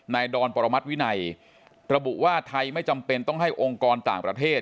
ดอนปรมัติวินัยระบุว่าไทยไม่จำเป็นต้องให้องค์กรต่างประเทศ